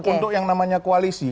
untuk yang namanya koalisi